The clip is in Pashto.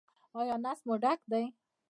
ایا نس مو ډک دی؟